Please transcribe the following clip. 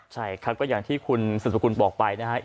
ใช่ครับก็อย่างที่คุณสุดสกุลบอกไปนะครับ